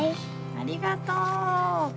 ありがとう。